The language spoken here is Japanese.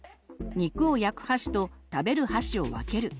肉を焼く箸と食べる箸を分ける。